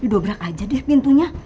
didobrak aja deh pintunya